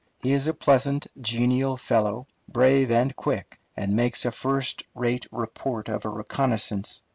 He is a pleasant, genial fellow, brave and quick, and makes a first rate report of a reconnoissance.